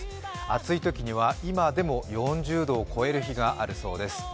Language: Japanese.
暑いときには今でも４０度を超える日があるそうです。